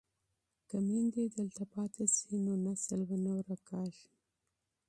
که میندې دلته پاتې شي نو نسل به نه ورکيږي.